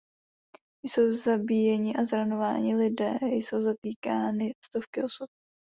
Jsou zabíjeni a zraňováni lidé, jsou zatýkány stovky osob.